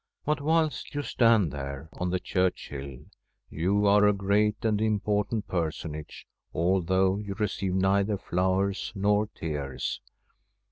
But whilst you stand there, on the church hill, you are a great and important personage, although you receive neither flowers nor tears.